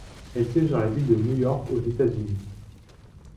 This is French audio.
Elle siège dans la ville de New York aux États-Unis.